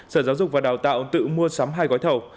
sở giáo dục và đào tạo tự mua sắm hai gói thầu